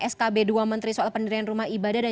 skb dua menteri soal pendirian rumah ibadah dan